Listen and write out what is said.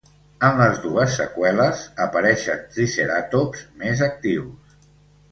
En les dues seqüeles apareixen triceratops més actius.